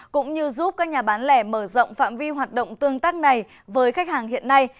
cũng như giúp các nhà bán lẻ mở rộng phạm vi hoạt động tương tác này với khách hàng hiện nay